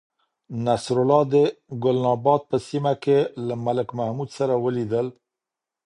نصرالله د گلناباد په سیمه کې له ملک محمود سره ولیدل.